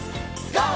ＧＯ！